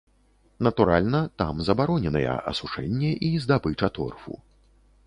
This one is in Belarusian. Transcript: Натуральна, там забароненыя асушэнне і здабыча торфу.